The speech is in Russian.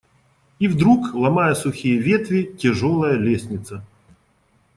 И вдруг, ломая сухие ветви, тяжелая лестница